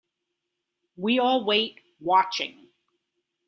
We all wait, watching.